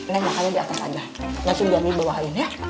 neng makannya di atas aja nanti gue ambil bawahin ya